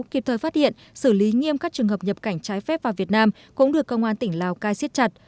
kịp thời phát hiện xử lý nghiêm các trường hợp nhập cảnh trái phép vào việt nam cũng được công an tỉnh lào cai siết chặt